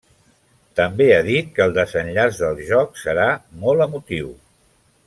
També ha dit que el desenllaç del joc serà molt emotiu.